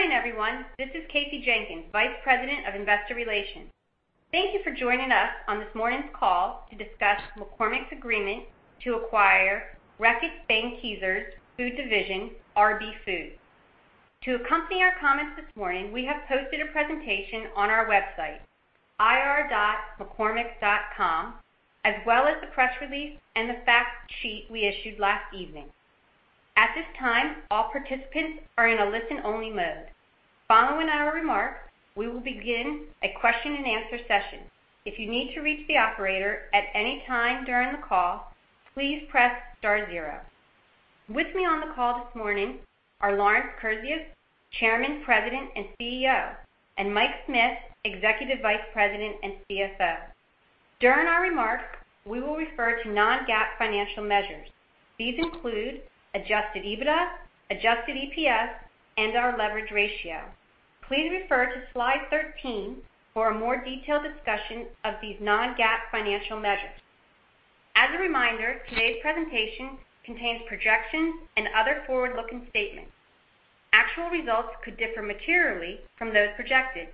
Good morning, everyone. This is Kasey Jenkins, Vice President of Investor Relations. Thank you for joining us on this morning's call to discuss McCormick's agreement to acquire Reckitt Benckiser's food division, RB Foods. To accompany our comments this morning, we have posted a presentation on our website, ir.mccormick.com, as well as the press release and the fact sheet we issued last evening. At this time, all participants are in a listen-only mode. Following our remarks, we will begin a question and answer session. If you need to reach the operator at any time during the call, please press star zero. With me on the call this morning are Lawrence Kurzius, Chairman, President, and CEO, and Mike Smith, Executive Vice President and CFO. During our remarks, we will refer to non-GAAP financial measures. These include adjusted EBITDA, adjusted EPS, and our leverage ratio. Please refer to Slide 13 for a more detailed discussion of these non-GAAP financial measures. As a reminder, today's presentation contains projections and other forward-looking statements. Actual results could differ materially from those projected.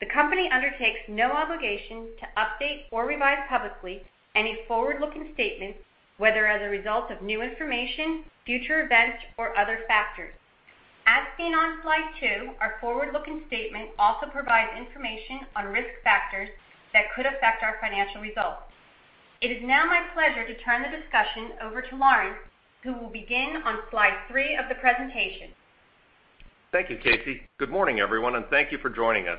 The company undertakes no obligation to update or revise publicly any forward-looking statements, whether as a result of new information, future events, or other factors. As seen on Slide two, our forward-looking statement also provides information on risk factors that could affect our financial results. It is now my pleasure to turn the discussion over to Lawrence, who will begin on Slide three of the presentation. Thank you, Kasey. Good morning, everyone, and thank you for joining us.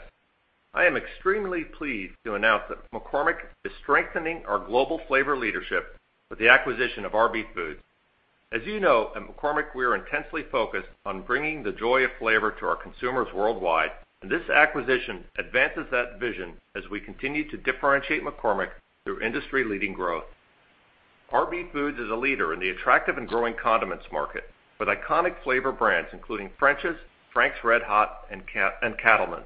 I am extremely pleased to announce that McCormick is strengthening our global flavor leadership with the acquisition of RB Foods. As you know, at McCormick, we're intensely focused on bringing the joy of flavor to our consumers worldwide, and this acquisition advances that vision as we continue to differentiate McCormick through industry-leading growth. RB Foods is a leader in the attractive and growing condiments market, with iconic flavor brands including French's, Frank's RedHot, and Cattlemen's.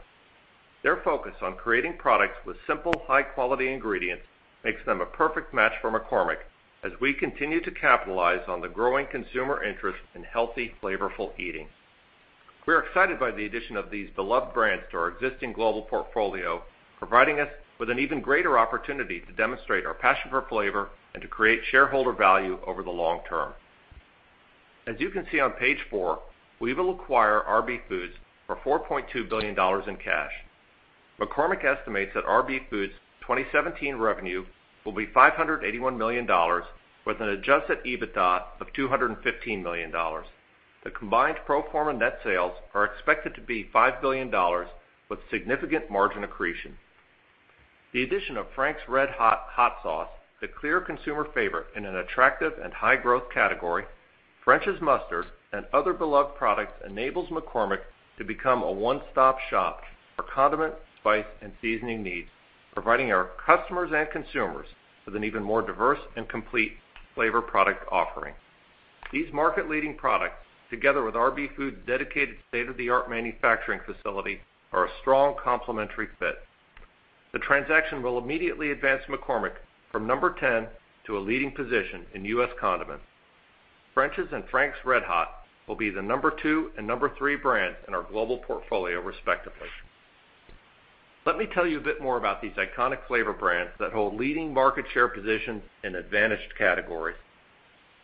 Their focus on creating products with simple, high-quality ingredients makes them a perfect match for McCormick as we continue to capitalize on the growing consumer interest in healthy, flavorful eating. We're excited by the addition of these beloved brands to our existing global portfolio, providing us with an even greater opportunity to demonstrate our passion for flavor and to create shareholder value over the long term. As you can see on Page four, we will acquire RB Foods for $4.2 billion in cash. McCormick estimates that RB Foods' 2017 revenue will be $581 million, with an adjusted EBITDA of $215 million. The combined pro forma net sales are expected to be $5 billion with significant margin accretion. The addition of Frank's RedHot hot sauce, the clear consumer favorite in an attractive and high-growth category, French's Mustard, and other beloved products enables McCormick to become a one-stop shop for condiment, spice, and seasoning needs, providing our customers and consumers with an even more diverse and complete flavor product offering. These market-leading products, together with RB Foods' dedicated state-of-the-art manufacturing facility, are a strong complementary fit. The transaction will immediately advance McCormick from number 10 to a leading position in U.S. condiments. French's and Frank's RedHot will be the number two and number three brands in our global portfolio, respectively. Let me tell you a bit more about these iconic flavor brands that hold leading market share positions in advantaged categories.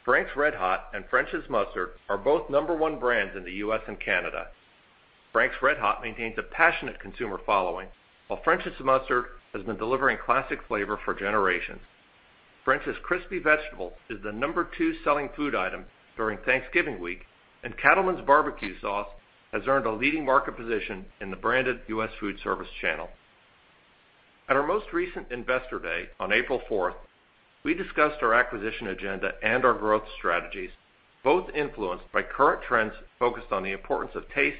Frank's RedHot and French's Mustard are both number one brands in the U.S. and Canada. Frank's RedHot maintains a passionate consumer following, while French's Mustard has been delivering classic flavor for generations. French's Crispy Fried Onions is the number two selling food item during Thanksgiving week, and Cattlemen's BBQ Sauce has earned a leading market position in the branded U.S. food service channel. At our most recent Investor Day on April 4th, we discussed our acquisition agenda and our growth strategies, both influenced by current trends focused on the importance of taste,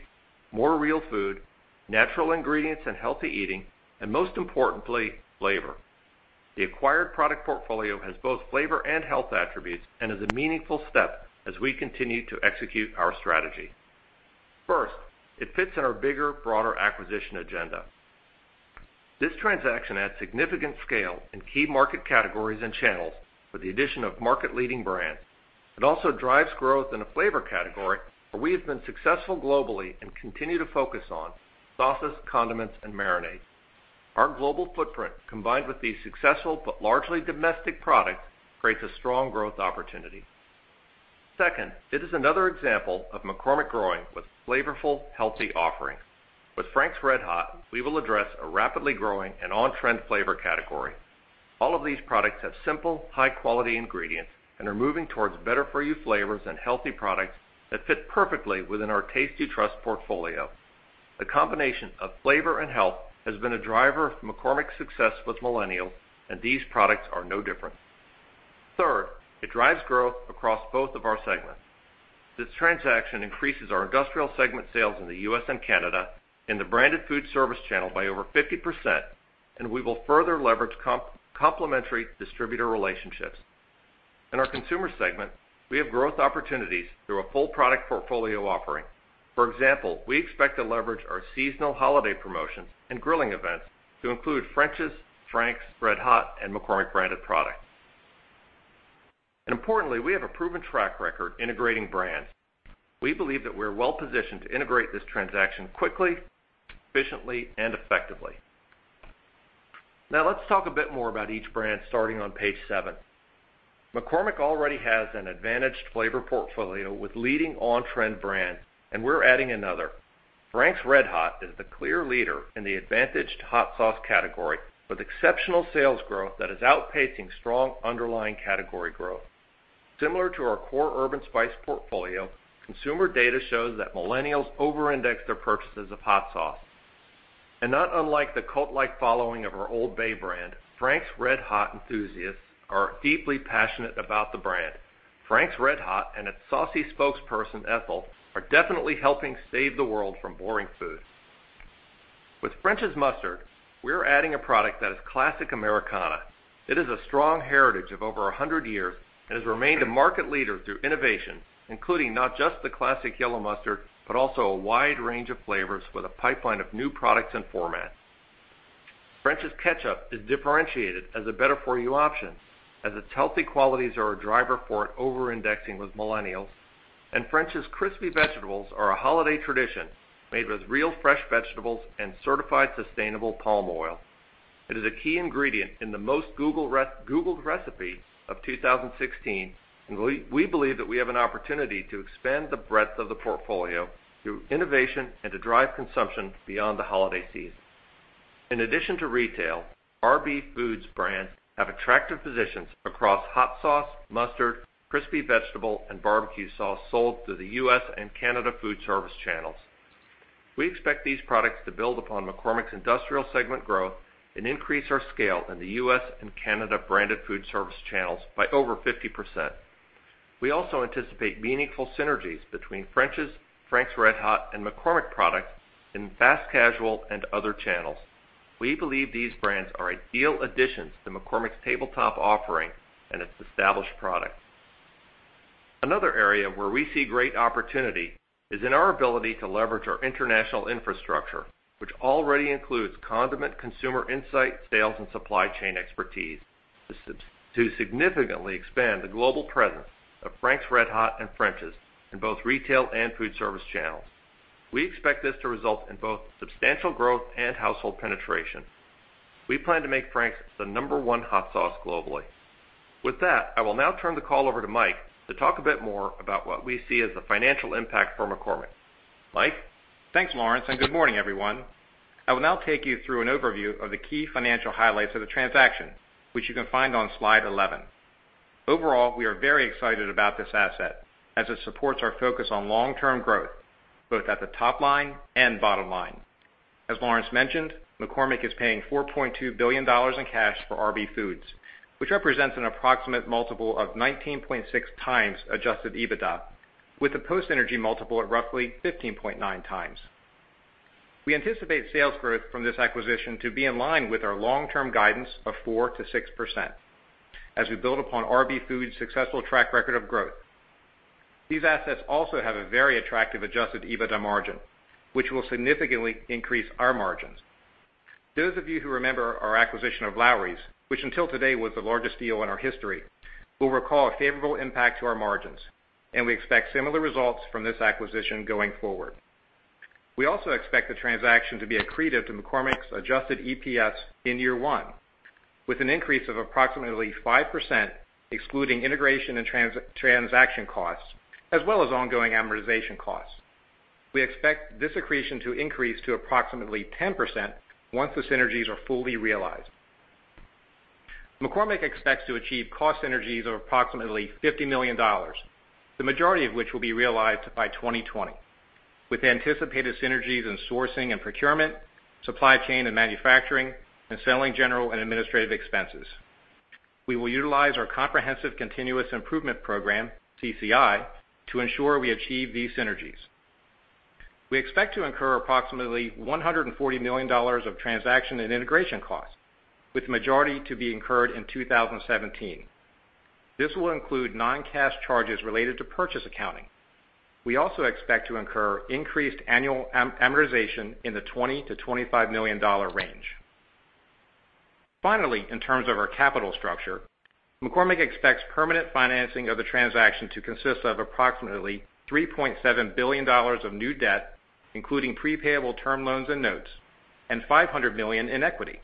more real food, natural ingredients, and healthy eating, and most importantly, flavor. The acquired product portfolio has both flavor and health attributes and is a meaningful step as we continue to execute our strategy. First, it fits in our bigger, broader acquisition agenda. This transaction adds significant scale in key market categories and channels with the addition of market-leading brands. It also drives growth in a flavor category where we have been successful globally and continue to focus on, sauces, condiments, and marinades. Our global footprint, combined with these successful but largely domestic products, creates a strong growth opportunity. Second, it is another example of McCormick growing with flavorful, healthy offerings. With Frank's RedHot, we will address a rapidly growing and on-trend flavor category. All of these products have simple, high-quality ingredients and are moving towards better-for-you flavors and healthy products that fit perfectly within our Tasty Trust portfolio. The combination of flavor and health has been a driver of McCormick's success with millennials, and these products are no different. Third, it drives growth across both of our segments. This transaction increases our Industrial segment sales in the U.S. and Canada in the branded food service channel by over 50%, and we will further leverage complementary distributor relationships. In our Consumer segment, we have growth opportunities through a full product portfolio offering. For example, we expect to leverage our seasonal holiday promotions and grilling events to include French's, Frank's RedHot, and McCormick branded products. Importantly, we have a proven track record integrating brands. We believe that we're well positioned to integrate this transaction quickly, efficiently, and effectively. Now let's talk a bit more about each brand, starting on page seven. McCormick already has an advantaged flavor portfolio with leading on-trend brands, and we're adding another. Frank's RedHot is the clear leader in the advantaged hot sauce category, with exceptional sales growth that is outpacing strong underlying category growth. Similar to our core urban spice portfolio, consumer data shows that millennials over-index their purchases of hot sauce. Not unlike the cult-like following of our Old Bay brand, Frank's RedHot enthusiasts are deeply passionate about the brand. Frank's RedHot and its saucy spokesperson, Ethel, are definitely helping save the world from boring food. With French's Mustard, we're adding a product that is classic Americana. It is a strong heritage of over 100 years and has remained a market leader through innovation, including not just the classic yellow mustard, but also a wide range of flavors with a pipeline of new products and formats. French's Ketchup is differentiated as a better-for-you option, as its healthy qualities are a driver for it over-indexing with millennials. French's Crispy Fried Onions are a holiday tradition, made with real fresh vegetables and certified sustainable palm oil. It is a key ingredient in the most Googled recipe of 2016. We believe that we have an opportunity to expand the breadth of the portfolio through innovation and to drive consumption beyond the holiday season. In addition to retail, RB Foods brands have attractive positions across hot sauce, mustard, crispy vegetable, and barbecue sauce sold through the U.S. and Canada food service channels. We expect these products to build upon McCormick's industrial segment growth and increase our scale in the U.S. and Canada branded food service channels by over 50%. We also anticipate meaningful synergies between French's, Frank's RedHot, and McCormick products in fast casual and other channels. We believe these brands are ideal additions to McCormick's tabletop offering and its established products. Another area where we see great opportunity is in our ability to leverage our international infrastructure, which already includes condiment consumer insight, sales, and supply chain expertise, to significantly expand the global presence of Frank's RedHot and French's in both retail and food service channels. We expect this to result in both substantial growth and household penetration. We plan to make Frank's the number one hot sauce globally. With that, I will now turn the call over to Mike to talk a bit more about what we see as the financial impact for McCormick. Mike? Thanks, Lawrence, and good morning, everyone. I will now take you through an overview of the key financial highlights of the transaction, which you can find on slide 11. Overall, we are very excited about this asset, as it supports our focus on long-term growth, both at the top line and bottom line. As Lawrence mentioned, McCormick is paying $4.2 billion in cash for RB Foods, which represents an approximate multiple of 19.6x adjusted EBITDA, with a post-synergy multiple at roughly 15.9x. We anticipate sales growth from this acquisition to be in line with our long-term guidance of 4%-6%, as we build upon RB Foods' successful track record of growth. These assets also have a very attractive adjusted EBITDA margin, which will significantly increase our margins. Those of you who remember our acquisition of Lawry's, which until today was the largest deal in our history, will recall a favorable impact to our margins, and we expect similar results from this acquisition going forward. We also expect the transaction to be accretive to McCormick's adjusted EPS in year one, with an increase of approximately 5%, excluding integration and transaction costs, as well as ongoing amortization costs. We expect this accretion to increase to approximately 10% once the synergies are fully realized. McCormick expects to achieve cost synergies of approximately $50 million, the majority of which will be realized by 2020, with anticipated synergies in sourcing and procurement, supply chain and manufacturing, and selling, general, and administrative expenses. We will utilize our comprehensive continuous improvement program, CCI, to ensure we achieve these synergies. We expect to incur approximately $140 million of transaction and integration costs, with the majority to be incurred in 2017. This will include non-cash charges related to purchase accounting. We also expect to incur increased annual amortization in the $20 million-$25 million range. Finally, in terms of our capital structure, McCormick expects permanent financing of the transaction to consist of approximately $3.7 billion of new debt, including pre-payable term loans and notes, and $500 million in equity.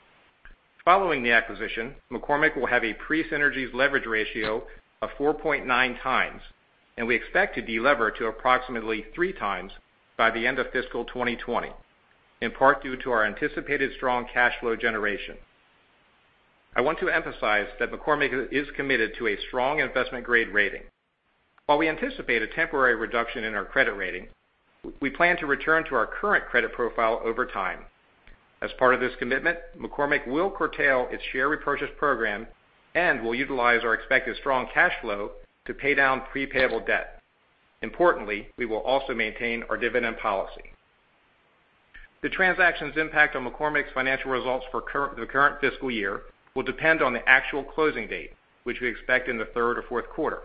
Following the acquisition, McCormick will have a pre-synergies leverage ratio of 4.9 times, and we expect to de-lever to approximately 3 times by the end of fiscal 2020, in part due to our anticipated strong cash flow generation. I want to emphasize that McCormick is committed to a strong investment-grade rating. While we anticipate a temporary reduction in our credit rating, we plan to return to our current credit profile over time. As part of this commitment, McCormick will curtail its share repurchase program and will utilize our expected strong cash flow to pay down pre-payable debt. Importantly, we will also maintain our dividend policy. The transaction's impact on McCormick's financial results for the current fiscal year will depend on the actual closing date, which we expect in the third or fourth quarter.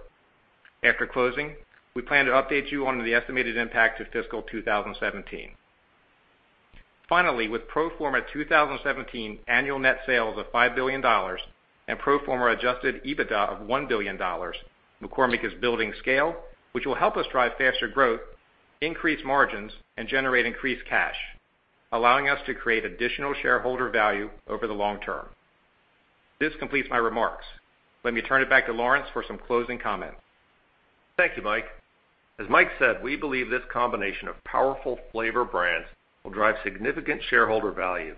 After closing, we plan to update you on the estimated impact to fiscal 2017. With pro forma 2017 annual net sales of $5 billion and pro forma adjusted EBITDA of $1 billion, McCormick is building scale, which will help us drive faster growth, increase margins, and generate increased cash, allowing us to create additional shareholder value over the long term. This completes my remarks. Let me turn it back to Lawrence for some closing comments. Thank you, Mike. As Mike said, we believe this combination of powerful flavor brands will drive significant shareholder value.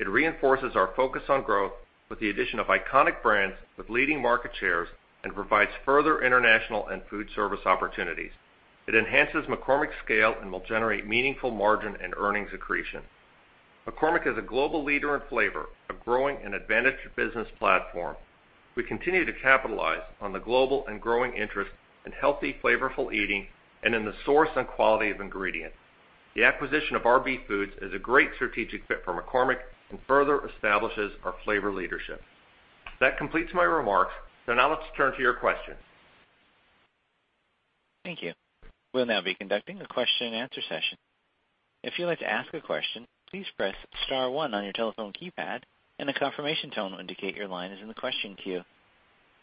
It reinforces our focus on growth with the addition of iconic brands with leading market shares and provides further international and food service opportunities. It enhances McCormick's scale and will generate meaningful margin and earnings accretion. McCormick is a global leader in flavor, a growing and advantaged business platform. We continue to capitalize on the global and growing interest in healthy, flavorful eating and in the source and quality of ingredients. The acquisition of RB Foods is a great strategic fit for McCormick and further establishes our flavor leadership. That completes my remarks. Now let's turn to your questions. Thank you. We'll now be conducting a question and answer session. If you'd like to ask a question, please press *1 on your telephone keypad, and a confirmation tone will indicate your line is in the question queue.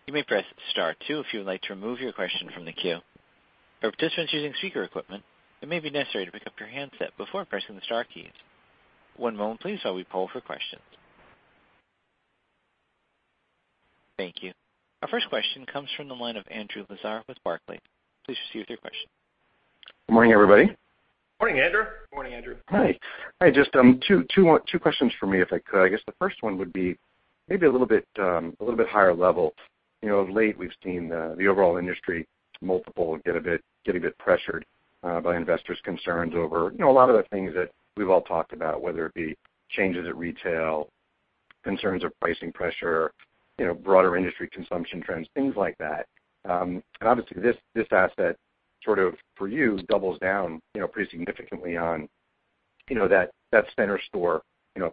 You may press *2 if you would like to remove your question from the queue. For participants using speaker equipment, it may be necessary to pick up your handset before pressing the star keys. One moment, please, while we poll for questions. Thank you. Our first question comes from the line of Andrew Lazar with Barclays. Please proceed with your question. Good morning, everybody. Morning, Andrew. Morning, Andrew. Hi. Just two questions from me, if I could. I guess the first one would be maybe a little bit higher level. Of late, we've seen the overall industry multiple get a bit pressured by investors' concerns over a lot of the things that we've all talked about, whether it be changes at retail, concerns of pricing pressure, broader industry consumption trends, things like that. Obviously, this asset sort of, for you, doubles down pretty significantly on that center store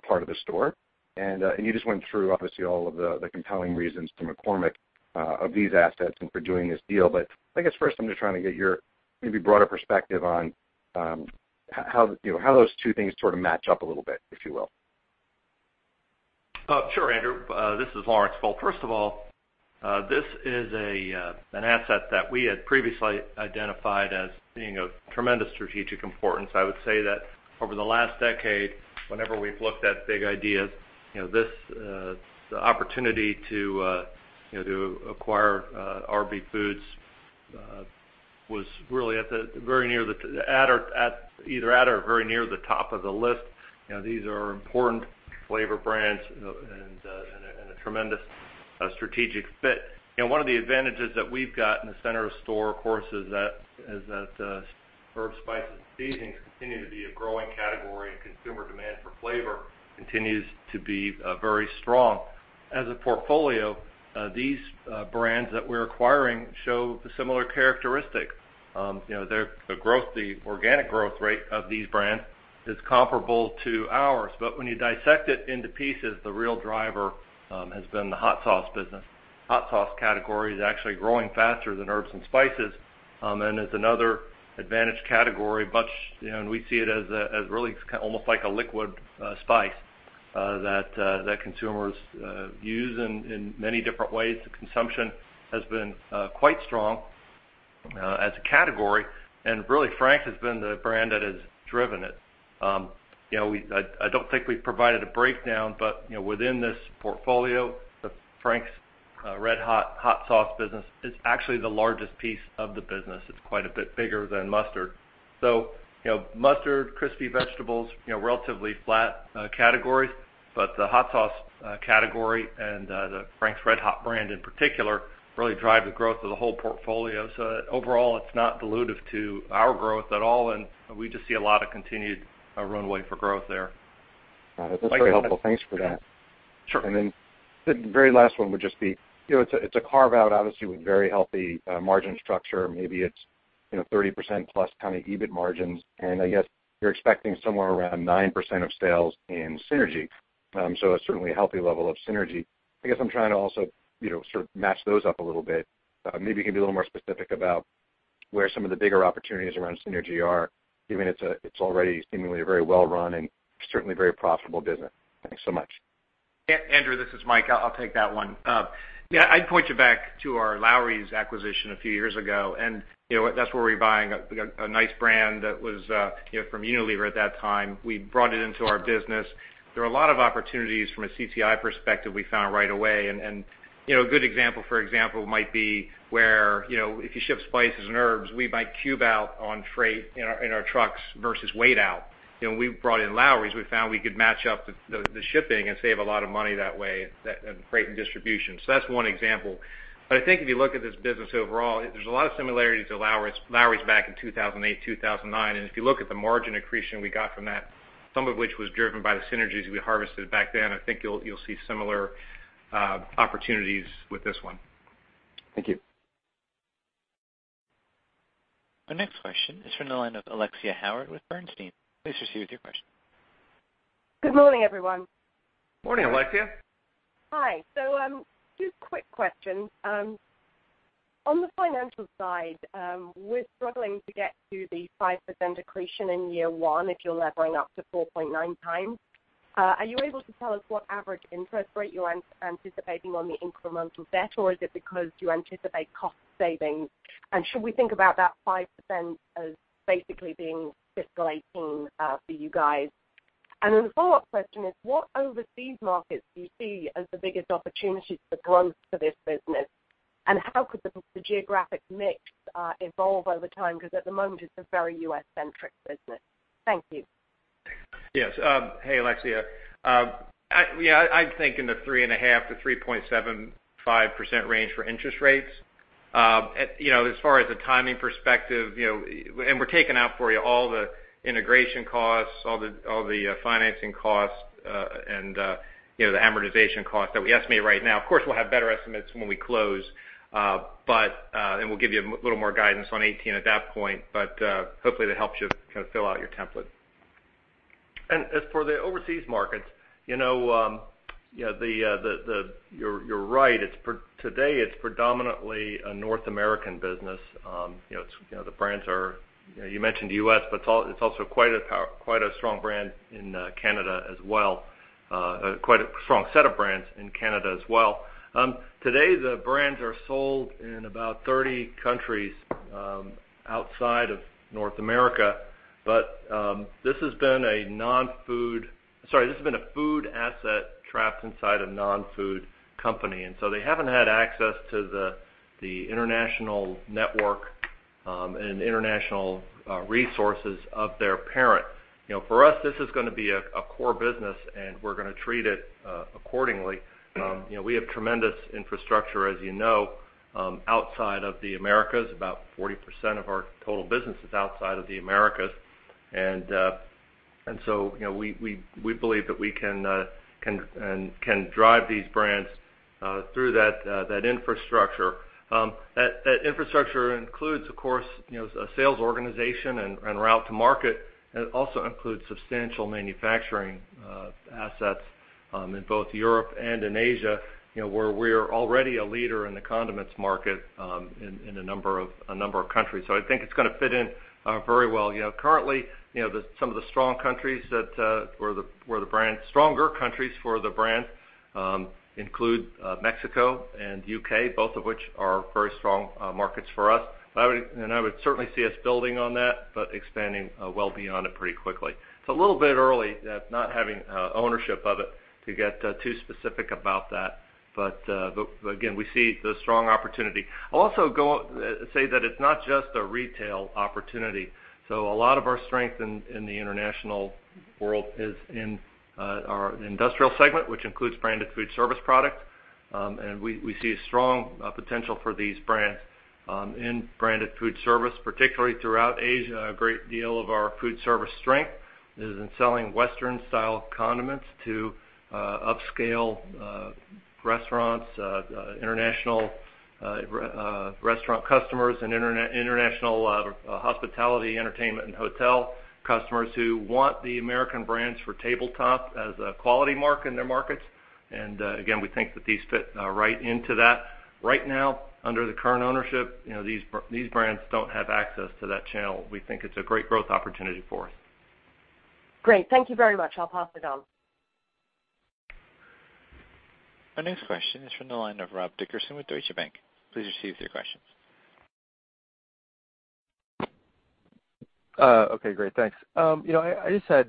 part of the store. You just went through, obviously, all of the compelling reasons for McCormick of these assets and for doing this deal. I guess first I'm just trying to get your maybe broader perspective on how those two things sort of match up a little bit, if you will. Sure, Andrew. This is Lawrence Kurzius. First of all, this is an asset that we had previously identified as being of tremendous strategic importance. I would say that over the last decade, whenever we've looked at big ideas, this opportunity to acquire RB Foods was really either at or very near the top of the list. These are important flavor brands and a tremendous strategic fit. One of the advantages that we've got in the center of store, of course, is that herbs, spices, and seasonings continue to be a growing category, and consumer demand for flavor continues to be very strong. As a portfolio, these brands that we're acquiring show similar characteristics. The organic growth rate of these brands is comparable to ours. When you dissect it into pieces, the real driver has been the hot sauce business. Hot sauce category is actually growing faster than herbs and spices and is another advantaged category. We see it as really almost like a liquid spice that consumers use in many different ways. The consumption has been quite strong as a category, and really, Frank's has been the brand that has driven it. I don't think we've provided a breakdown, but within this portfolio, the Frank's RedHot hot sauce business is actually the largest piece of the business. It's quite a bit bigger than mustard. Mustard, crispy vegetables, relatively flat categories, but the hot sauce category and the Frank's RedHot brand in particular really drive the growth of the whole portfolio. Overall, it's not dilutive to our growth at all, and we just see a lot of continued runway for growth there. Got it. That's very helpful. Thanks for that. Sure. The very last one would just be, it's a carve-out, obviously, with very healthy margin structure. Maybe it's 30%+ kind of EBIT margins, and I guess you're expecting somewhere around 9% of sales in synergy, so it's certainly a healthy level of synergy. I guess I'm trying to also sort of match those up a little bit. Maybe you can be a little more specific about where some of the bigger opportunities around synergy are, given it's already seemingly a very well-run and certainly very profitable business. Thanks so much. Andrew, this is Mike. I'll take that one. I'd point you back to our Lawry's acquisition a few years ago, that's where we were buying a nice brand that was from Unilever at that time. We brought it into our business. There were a lot of opportunities from a CCI perspective we found right away, a good example, for example, might be where if you ship spices and herbs, we might cube out on freight in our trucks versus weight out. When we brought in Lawry's, we found we could match up the shipping and save a lot of money that way in freight and distribution. That's one example. I think if you look at this business overall, there's a lot of similarities to Lawry's back in 2008, 2009, if you look at the margin accretion we got from that, some of which was driven by the synergies we harvested back then, I think you'll see similar opportunities with this one. Thank you. Our next question is from the line of Alexia Howard with Bernstein. Please proceed with your question. Good morning, everyone. Morning, Alexia. Hi. Two quick questions. On the financial side, we're struggling to get to the 5% accretion in year one if you're levering up to 4.9 times. Are you able to tell us what average interest rate you are anticipating on the incremental debt, or is it because you anticipate cost savings? Should we think about that 5% as basically being fiscal 2018 for you guys? The follow-up question is, what overseas markets do you see as the biggest opportunities for growth for this business? And how could the geographic mix evolve over time? Because at the moment, it's a very U.S.-centric business. Thank you. Yes. Hey, Alexia. I'm thinking the 3.5%-3.75% range for interest rates. As far as the timing perspective, we're taking out for you all the integration costs, all the financing costs, and the amortization costs that we estimate right now. Of course, we'll have better estimates when we close. We'll give you a little more guidance on 2018 at that point, hopefully, that helps you fill out your template. As for the overseas markets, you're right. Today, it's predominantly a North American business. You mentioned U.S., but it's also quite a strong brand in Canada as well. Quite a strong set of brands in Canada as well. Today, the brands are sold in about 30 countries outside of North America, this has been a food asset trapped inside a non-food company, so they haven't had access to the international network and international resources of their parent. For us, this is going to be a core business, and we're going to treat it accordingly. We have tremendous infrastructure, as you know, outside of the Americas. About 40% of our total business is outside of the Americas. We believe that we can drive these brands through that infrastructure. That infrastructure includes, of course, a sales organization and route to market, and it also includes substantial manufacturing assets in both Europe and in Asia, where we're already a leader in the condiments market in a number of countries. I think it's going to fit in very well. Currently, some of the stronger countries for the brand include Mexico and U.K., both of which are very strong markets for us. I would certainly see us building on that, expanding well beyond it pretty quickly. It's a little bit early, not having ownership of it, to get too specific about that. Again, we see the strong opportunity. I'll also say that it's not just a retail opportunity. A lot of our strength in the international world is in our industrial segment, which includes branded food service product. We see a strong potential for these brands in branded food service, particularly throughout Asia. A great deal of our food service strength is in selling Western-style condiments to upscale restaurants, international restaurant customers, and international hospitality, entertainment, and hotel customers who want the American brands for tabletop as a quality mark in their markets. Again, we think that these fit right into that. Right now, under the current ownership, these brands don't have access to that channel. We think it's a great growth opportunity for us. Great. Thank you very much. I'll pass it on. Our next question is from the line of Rob Dickerson with Deutsche Bank. Please proceed with your questions. Okay, great. Thanks. I just had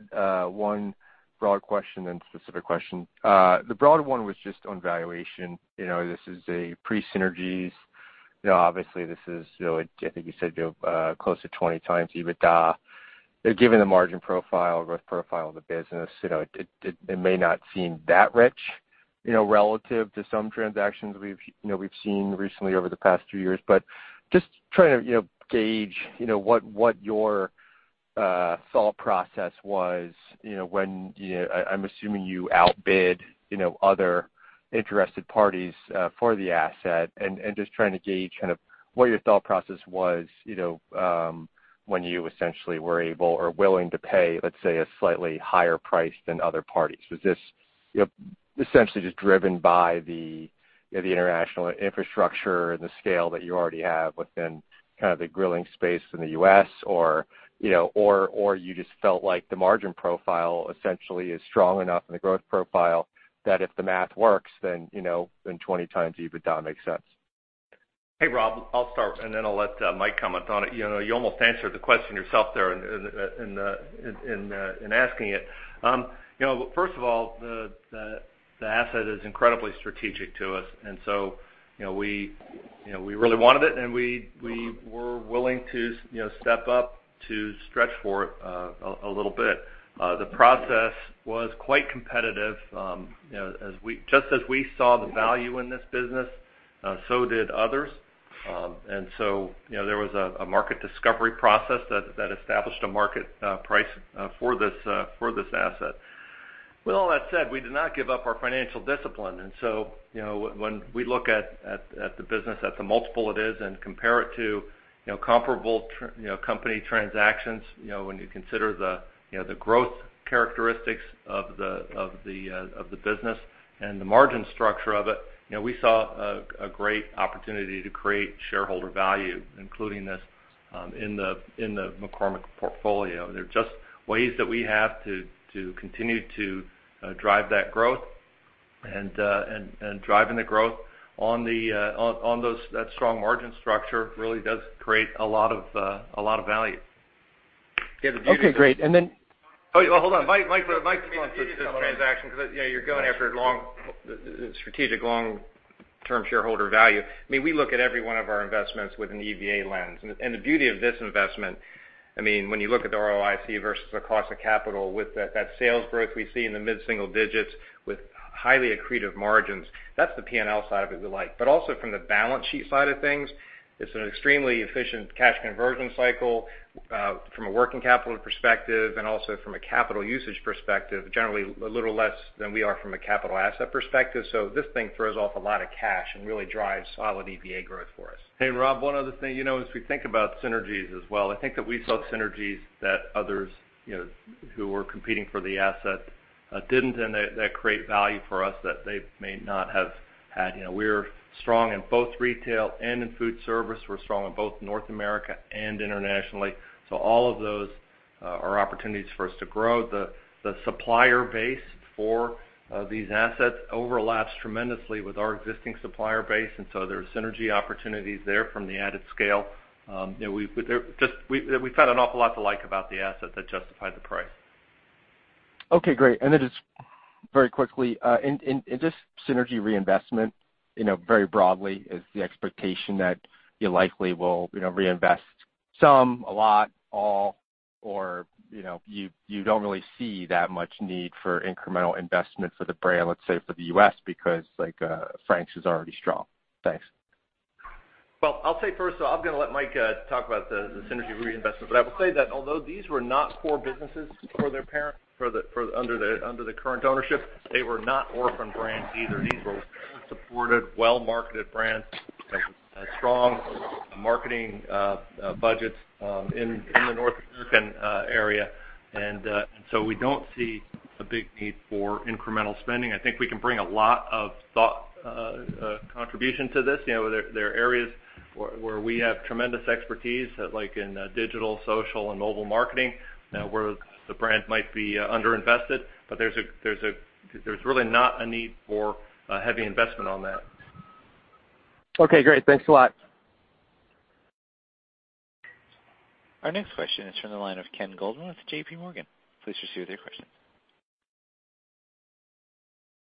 one broad question and specific question. The broad one was just on valuation. This is a pre-synergies. Obviously, this is, I think you said, close to 20x EBITDA. Given the margin profile, growth profile of the business, it may not seem that rich, relative to some transactions we've seen recently over the past few years. Just trying to gauge what your thought process was when, I'm assuming you outbid other interested parties for the asset, and just trying to gauge what your thought process was when you essentially were able or willing to pay, let's say, a slightly higher price than other parties. Was this essentially just driven by the international infrastructure and the scale that you already have within the grilling space in the U.S., or you just felt like the margin profile essentially is strong enough and the growth profile that if the math works, then 20x EBITDA makes sense? Hey, Rob. I'll start, and then I'll let Mike comment on it. You almost answered the question yourself there in asking it. First of all, the asset is incredibly strategic to us, and so we really wanted it, and we were willing to step up to stretch for it a little bit. The process was quite competitive. Just as we saw the value in this business, so did others. There was a market discovery process that established a market price for this asset. With all that said, we did not give up our financial discipline, and so when we look at the business, at the multiple it is, and compare it to comparable company transactions, when you consider the growth characteristics of the business and the margin structure of it, we saw a great opportunity to create shareholder value, including this in the McCormick portfolio. They're just ways that we have to continue to drive that growth, and driving the growth on that strong margin structure really does create a lot of value. Okay, great. Oh, hold on. Mike can continue this transaction, because you're going after strategic long-term shareholder value. We look at every one of our investments with an EVA lens, and the beauty of this investment, when you look at the ROIC versus the cost of capital with that sales growth we see in the mid-single digits with highly accretive margins, that's the P&L side of it we like. Also from the balance sheet side of things, it's an extremely efficient cash conversion cycle, from a working capital perspective and also from a capital usage perspective, generally a little less than we are from a capital asset perspective. This thing throws off a lot of cash and really drives solid EPS growth for us. Hey, Rob, one other thing. As we think about synergies as well, I think that we saw synergies that others who were competing for the asset didn't, and that create value for us that they may not have had. We're strong in both retail and in food service. We're strong in both North America and internationally. All of those are opportunities for us to grow. The supplier base for these assets overlaps tremendously with our existing supplier base, and so there are synergy opportunities there from the added scale. We found an awful lot to like about the asset that justified the price. Okay, great. Just very quickly, in this synergy reinvestment, very broadly, is the expectation that you likely will reinvest some, a lot, all, or you don't really see that much need for incremental investment for the brand, let's say for the U.S., because Frank's is already strong? Thanks. Well, I'll say first, I'm going to let Mike talk about the synergy reinvestment. I will say that although these were not core businesses under the current ownership, they were not orphan brands either. These were well-supported, well-marketed brands with strong marketing budgets in the North American area. We don't see a big need for incremental spending. I think we can bring a lot of thought contribution to this. There are areas where we have tremendous expertise, like in digital, social, and mobile marketing, where the brand might be under-invested. There's really not a need for heavy investment on that. Okay, great. Thanks a lot. Our next question is from the line of Ken Goldman with JPMorgan. Please proceed with your question.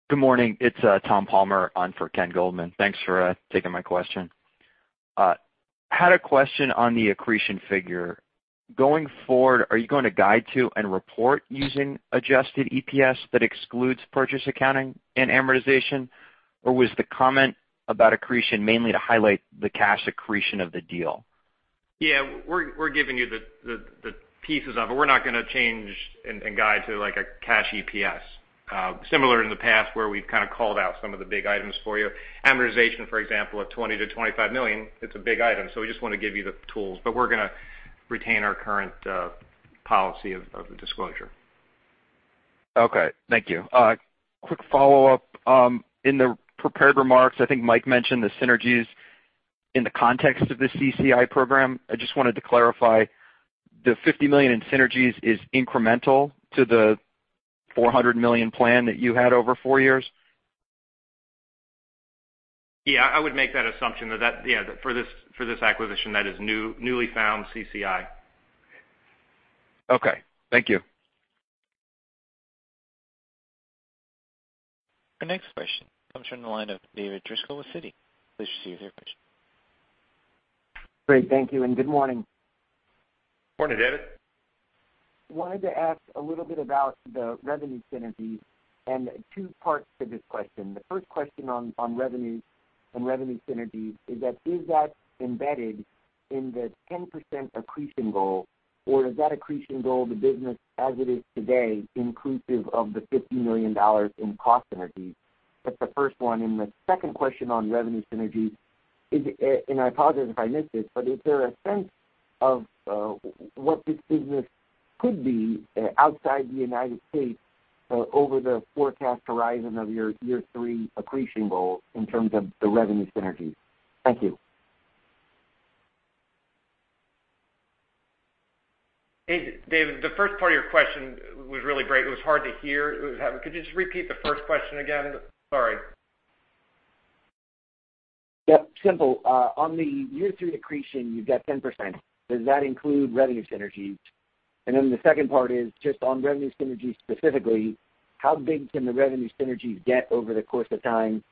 Good morning. It's Thomas Palmer on for Ken Goldman. Thanks for taking my question. Had a question on the accretion figure. Going forward, are you going to guide to and report using adjusted EPS that excludes purchase accounting and amortization? Or was the comment about accretion mainly to highlight the cash accretion of the deal? Yeah, we're giving you the pieces of it. We're not going to change and guide to a cash EPS. Similar in the past where we've kind of called out some of the big items for you. Amortization, for example, of $20 million-$25 million, it's a big item. We just want to give you the tools. We're going to retain our current policy of disclosure. Okay, thank you. A quick follow-up. In the prepared remarks, I think Mike mentioned the synergies in the context of the CCI program. I just wanted to clarify, the $50 million in synergies is incremental to the $400 million plan that you had over four years? Yeah, I would make that assumption that for this acquisition, that is newly found CCI. Okay, thank you. Our next question comes from the line of David Driscoll with Citi. Please proceed with your question. Great, thank you, and good morning. Morning, David. Wanted to ask a little bit about the revenue synergies. Two parts to this question. The first question on revenue and revenue synergies is that embedded in the 10% accretion goal, or is that accretion goal the business as it is today, inclusive of the $50 million in cost synergies? That's the first one. The second question on revenue synergies is, and I apologize if I missed this, but is there a sense of what this business could be outside the U.S. over the forecast horizon of your year three accretion goal in terms of the revenue synergies? Thank you. Hey, David, the first part of your question was really great. It was hard to hear. Could you just repeat the first question again? Sorry. Yep, simple. On the year three accretion, you've got 10%. Does that include revenue synergies? The second part is just on revenue synergies specifically, how big can the revenue synergies get over the course of time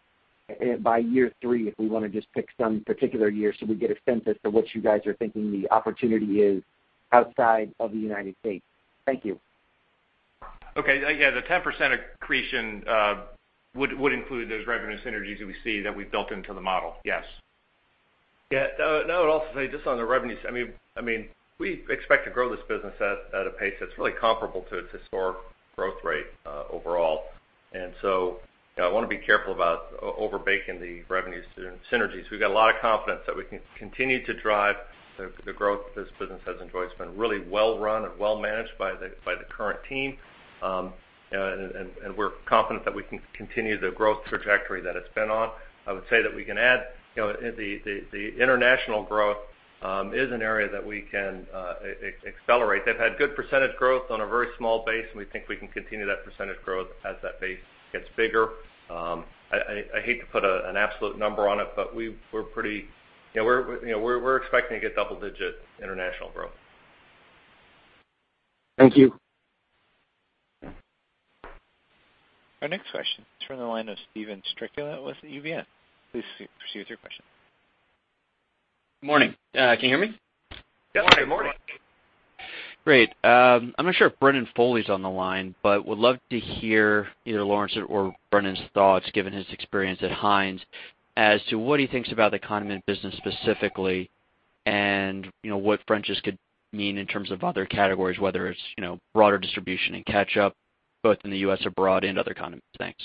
by year three, if we want to just pick some particular year so we get a sense as to what you guys are thinking the opportunity is outside of the U.S.? Thank you. Okay. The 10% accretion would include those revenue synergies that we see that we've built into the model. Yes. I would also say, just on the revenues, we expect to grow this business at a pace that's really comparable to historic growth rates overall. I want to be careful about overbaking the revenue synergies. We've got a lot of confidence that we can continue to drive the growth this business has enjoyed. It's been really well run and well managed by the current team. We're confident that we can continue the growth trajectory that it's been on. I would say that we can add, the international growth is an area that we can accelerate. They've had good percentage growth on a very small base, and we think we can continue that percentage growth as that base gets bigger. I hate to put an absolute number on it, but we're expecting to get double-digit international growth. Thank you. Our next question is from the line of Steven Strycula with UBS. Please proceed with your question. Morning. Can you hear me? Yes. Good morning. Great. I'm not sure if Brendan Foley's on the line, but would love to hear either Lawrence' or Brendan's thoughts, given his experience at Heinz, as to what he thinks about the condiment business specifically and what French's could mean in terms of other categories, whether it's broader distribution in ketchup, both in the U.S. or abroad, and other condiments. Thanks.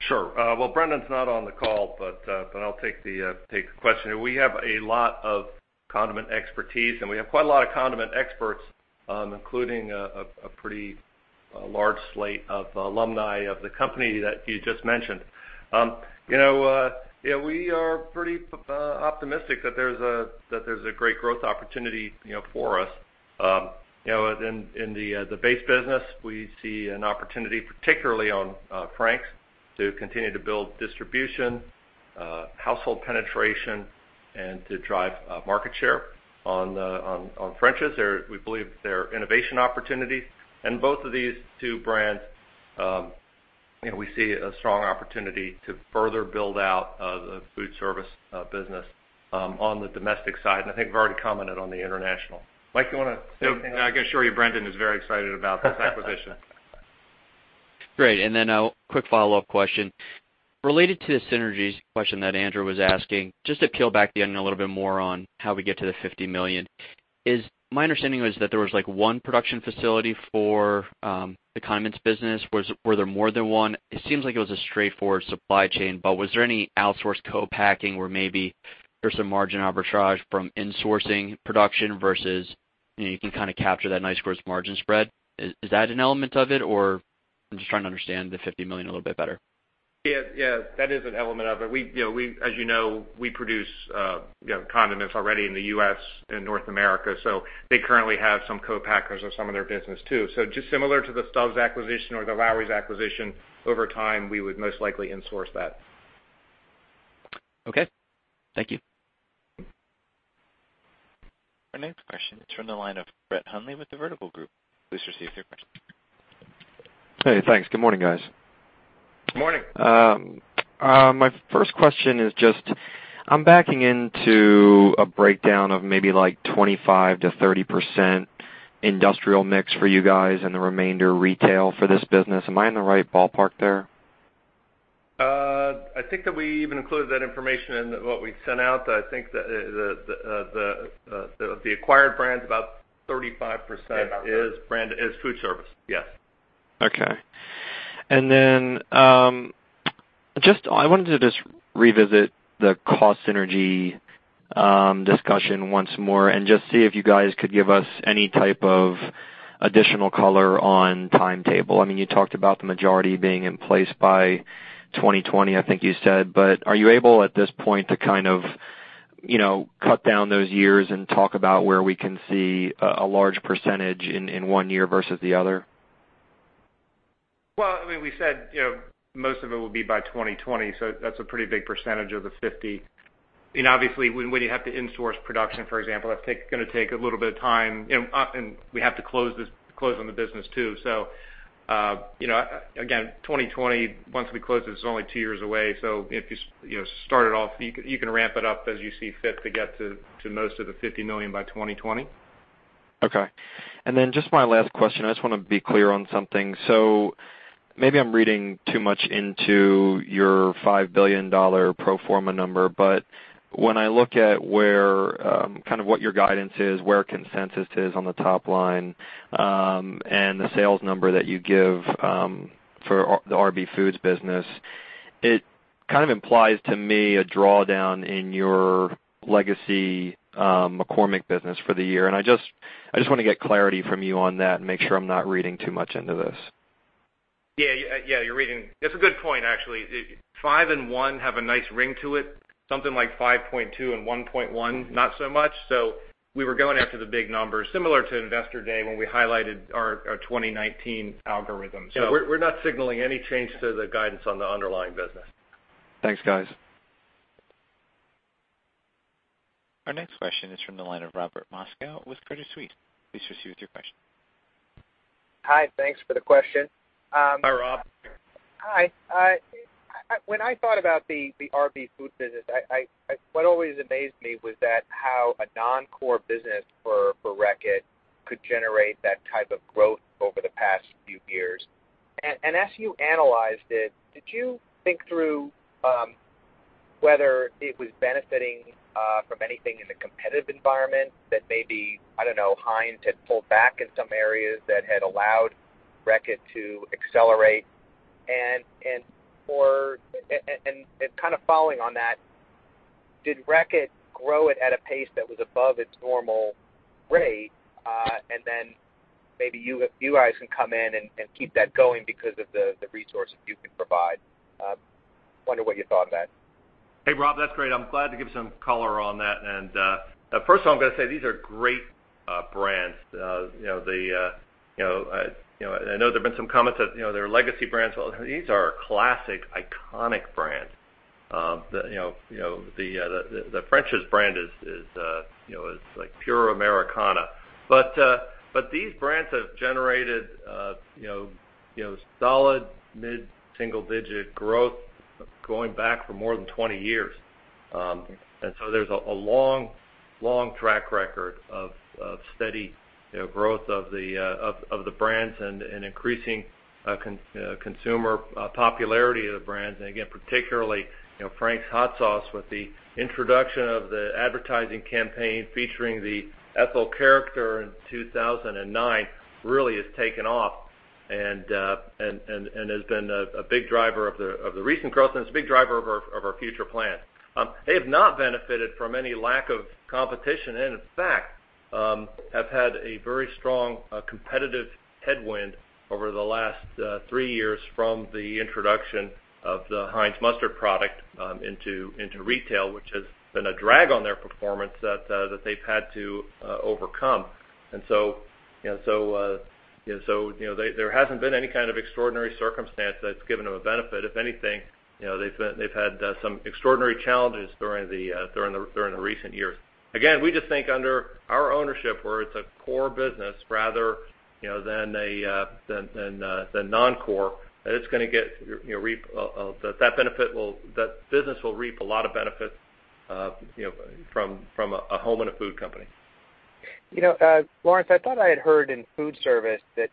Sure. Well, Brendan's not on the call, but I'll take the question. We have a lot of condiment expertise, and we have quite a lot of condiment experts, including a pretty large slate of alumni of the company that you just mentioned. We are pretty optimistic that there's a great growth opportunity for us. In the base business, we see an opportunity, particularly on Frank's, to continue to build distribution, household penetration, and to drive market share. On French's, we believe there are innovation opportunities. In both of these two brands, we see a strong opportunity to further build out the food service business on the domestic side, and I think we've already commented on the international. Mike, you want to say anything? No, I can assure you Brendan is very excited about this acquisition. Great, then a quick follow-up question. Related to the synergies question that Andrew was asking, just to peel back the onion a little bit more on how we get to the $50 million. My understanding was that there was one production facility for the condiments business. Were there more than one? It seems like it was a straightforward supply chain, but was there any outsourced co-packing where maybe there's some margin arbitrage from insourcing production versus you can capture that nice gross margin spread? Is that an element of it, or I'm just trying to understand the $50 million a little bit better. Yeah. That is an element of it. As you know, we produce condiments already in the U.S. and North America, they currently have some co-packers of some of their business, too. Just similar to the Stubb's acquisition or the Lawry's acquisition, over time, we would most likely in-source that. Okay. Thank you. Our next question is from the line of Brett Hundley with The Vertical Group. Please proceed with your question. Hey, thanks. Good morning, guys. Morning. My first question is, I am backing into a breakdown of maybe like 25%-30% industrial mix for you guys and the remainder retail for this business. Am I in the right ballpark there? I think that we even included that information in what we sent out. I think that the acquired brand is about 35%. Yeah, about 35 is food service. Yes. Okay. Then, I wanted to just revisit the cost synergy discussion once more and just see if you guys could give us any type of additional color on timetable. You talked about the majority being in place by 2020, I think you said, are you able at this point to cut down those years and talk about where we can see a large percentage in one year versus the other? We said most of it will be by 2020, that's a pretty big percentage of the $50. When you have to in-source production, for example, that's going to take a little bit of time, and we have to close on the business, too. Again, 2020, once we close this, is only two years away. If you start it off, you can ramp it up as you see fit to get to most of the $50 million by 2020. Okay. Just my last question, I just want to be clear on something. Maybe I'm reading too much into your $5 billion pro forma number, when I look at what your guidance is, where consensus is on the top line, and the sales number that you give for the RB Foods business, it kind of implies to me a drawdown in your legacy McCormick business for the year, I just want to get clarity from you on that and make sure I'm not reading too much into this. Yeah. That's a good point, actually. Five and one have a nice ring to it. Something like 5.2 and 1.1, not so much. We were going after the big numbers, similar to Investor Day when we highlighted our 2019 algorithm. We're not signaling any change to the guidance on the underlying business. Thanks, guys. Our next question is from the line of Robert Moskow with Credit Suisse. Please proceed with your question. Hi. Thanks for the question. Hi, Rob. Hi. When I thought about the RB Foods business, what always amazed me was that how a non-core business for Reckitt could generate that type of growth over the past few years. As you analyzed it, did you think through whether it was benefiting from anything in the competitive environment that maybe, I don't know, Heinz had pulled back in some areas that had allowed Reckitt to accelerate, and kind of following on that, did Reckitt grow it at a pace that was above its normal rate? Maybe you guys can come in and keep that going because of the resources you can provide. Wonder what you thought on that. Hey, Rob, that's great. I'm glad to give some color on that. First of all, I'm going to say these are great brands. I know there've been some comments that they're legacy brands. Well, these are classic, iconic brands. The French's brand is pure Americana. These brands have generated solid mid-single digit growth going back for more than 20 years. There's a long track record of steady growth of the brands and increasing consumer popularity of the brands. Again, particularly, Frank's hot sauce with the introduction of the advertising campaign featuring the Ethel character in 2009 really has taken off and has been a big driver of the recent growth, and it's a big driver of our future plans. They have not benefited from any lack of competition, and in fact, have had a very strong competitive headwind over the last three years from the introduction of the Heinz mustard product into retail, which has been a drag on their performance that they've had to overcome. There hasn't been any kind of extraordinary circumstance that's given them a benefit. If anything, they've had some extraordinary challenges during the recent years. Again, we just think under our ownership, where it's a core business rather than non-core, that business will reap a lot of benefit from a home and a food company. Lawrence, I thought I had heard in food service that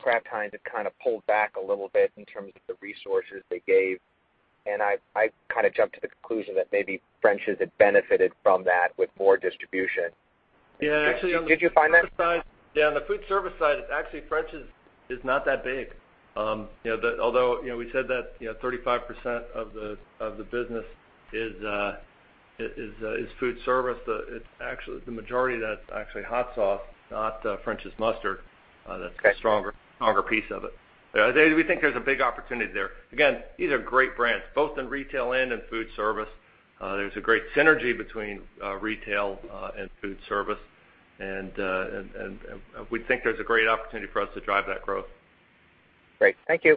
Kraft Heinz had kind of pulled back a little bit in terms of the resources they gave, and I kind of jumped to the conclusion that maybe French's had benefited from that with more distribution. Yeah, actually. Did you find that? Yeah, on the food service side, it's actually French's is not that big. Although, we said that 35% of the business is food service, the majority of that's actually hot sauce, not French's mustard. Okay That's the stronger piece of it. We think there's a big opportunity there. Again, these are great brands, both in retail and in food service. There's a great synergy between retail and food service, and we think there's a great opportunity for us to drive that growth. Great. Thank you.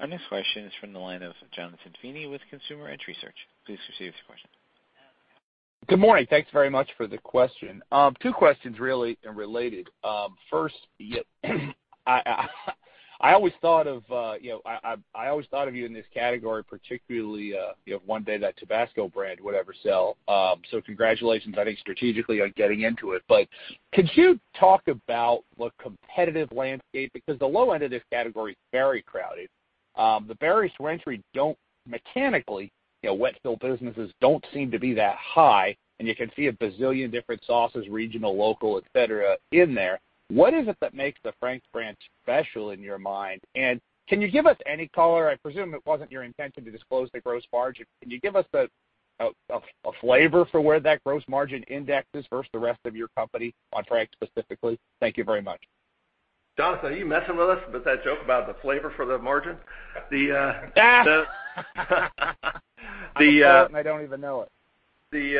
Our next question is from the line of Jonathan Feeney with Consumer Edge Research. Please proceed with your question. Good morning. Thanks very much for the question. Two questions, really, and related. First, I always thought of you in this category, particularly, one day that Tabasco brand would ever sell. Congratulations, I think, strategically on getting into it. Could you talk about the competitive landscape? The low end of this category is very crowded. The barriers to entry don't mechanically, wet field businesses don't seem to be that high, and you can see a bazillion different sauces, regional, local, et cetera, in there. What is it that makes the Frank's brand special in your mind? Can you give us any color? I presume it wasn't your intention to disclose the gross margin. Can you give us a flavor for where that gross margin index is versus the rest of your company on Frank's specifically? Thank you very much. Jonathan, are you messing with us with that joke about the flavor for the margin? I said it and I don't even know it.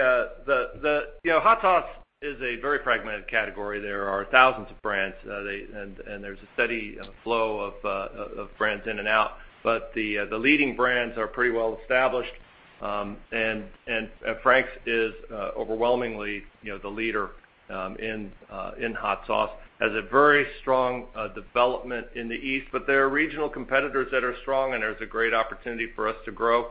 Hot sauce is a very fragmented category. There are thousands of brands, and there's a steady flow of brands in and out. The leading brands are pretty well established, and Frank's is overwhelmingly the leader in hot sauce. Has a very strong development in the East, but there are regional competitors that are strong, and there's a great opportunity for us to grow.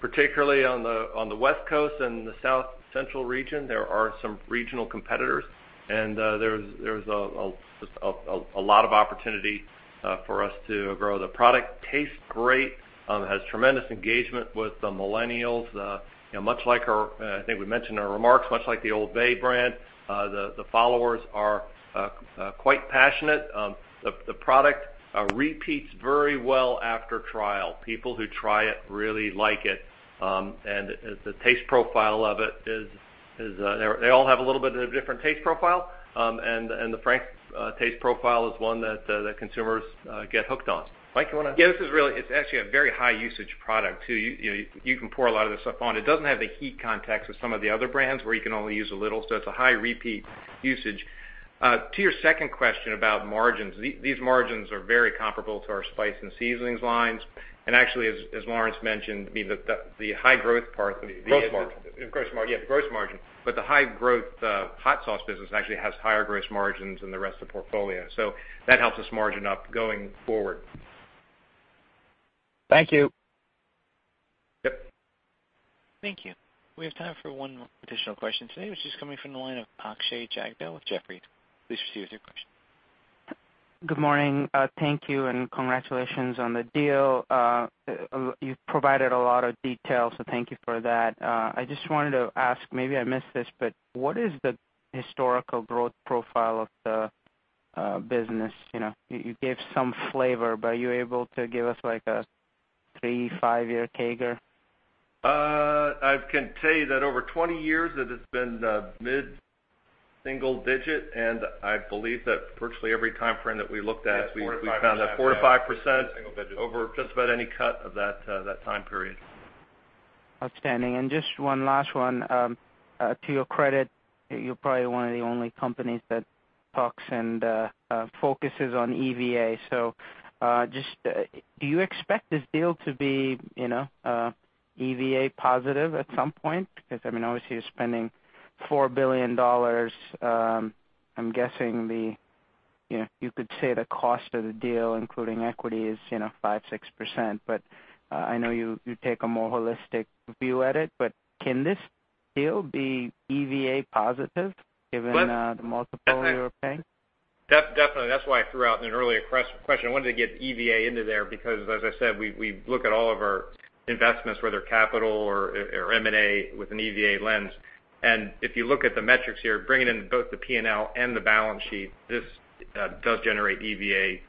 Particularly on the West Coast and the South Central region, there are some regional competitors, and there's a lot of opportunity for us to grow. The product tastes great. It has tremendous engagement with the millennials. I think we mentioned in our remarks, much like the Old Bay brand, the followers are quite passionate. The product repeats very well after trial. People who try it really like it. The taste profile of it is they all have a little bit of a different taste profile, and the Frank's taste profile is one that consumers get hooked on. Mike, you want to? Yeah, this is actually a very high usage product, too. You can pour a lot of this stuff on. It doesn't have the heat context of some of the other brands where you can only use a little. It's a high repeat usage. To your second question about margins, these margins are very comparable to our spice and seasonings lines. Actually, as Lawrence mentioned, the high growth. Gross margin. Gross margin, yeah, the gross margin. The high growth hot sauce business actually has higher gross margins than the rest of the portfolio. That helps us margin up going forward. Thank you. Yep. Thank you. We have time for one more additional question today, which is coming from the line of Akshay Jagdale with Jefferies. Please proceed with your question. Good morning. Thank you, and congratulations on the deal. You've provided a lot of details, so thank you for that. I just wanted to ask, maybe I missed this, but what is the historical growth profile of the business? You gave some flavor, but are you able to give us like a three, five-year CAGR? I can tell you that over 20 years, it has been mid-single digit, and I believe that virtually every timeframe that we looked at Yes, 4%-5% We found that 4%-5% over just about any cut of that time period. Outstanding. Just one last one. To your credit, you're probably one of the only companies that talks and focuses on EVA. Just do you expect this deal to be EVA positive at some point? Because obviously, you're spending $4 billion. I'm guessing you could say the cost of the deal, including equity, is 5%-6%. I know you take a more holistic view at it. Can this deal be EVA positive given the multiple you are paying? Definitely. That's why I threw out in an earlier question, I wanted to get EVA into there because, as I said, we look at all of our investments, whether capital or M&A, with an EVA lens. If you look at the metrics here, bringing in both the P&L and the balance sheet, this does generate EVA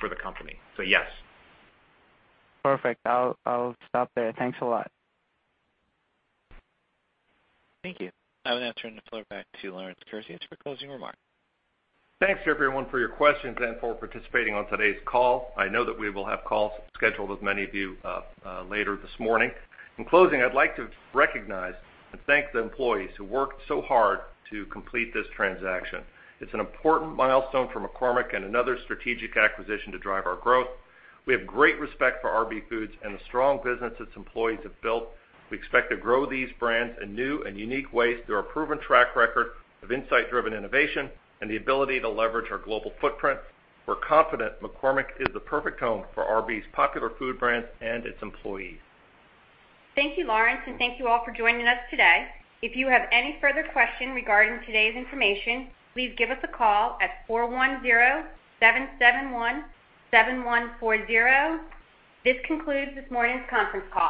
for the company. Yes. Perfect. I'll stop there. Thanks a lot. Thank you. I will now turn the floor back to Lawrence Kurzius for closing remarks. Thanks everyone for your questions and for participating on today's call. I know that we will have calls scheduled with many of you later this morning. In closing, I'd like to recognize and thank the employees who worked so hard to complete this transaction. It's an important milestone for McCormick and another strategic acquisition to drive our growth. We have great respect for RB Foods and the strong business its employees have built. We expect to grow these brands in new and unique ways through our proven track record of insight-driven innovation and the ability to leverage our global footprint. We're confident McCormick is the perfect home for RB's popular food brands and its employees. Thank you, Lawrence, and thank you all for joining us today. If you have any further questions regarding today's information, please give us a call at 410-771-7140. This concludes this morning's conference call.